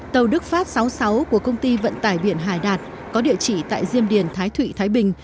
tàu đức pháp sáu mươi sáu của công ty vận tải biển hải đạt có địa chỉ tại diêm điền thái thụy thái bình